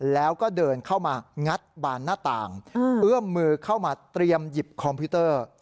แล้วก็เดินเข้ามางัดบานหน้าต่างเอื้อมมือเข้ามาเตรียมหยิบคอมพิวเตอร์